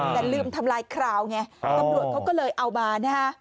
แต่ลืมทำลายคราวไงตำรวจเขาก็เลยเอามานะฮะ